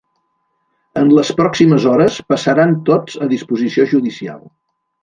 En les pròximes hores, passaran tots a disposició judicial.